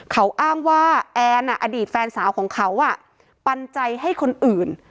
เขาอ้างว่าแอนอดีตแฟนสาวของเขาปันใจให้คนอื่น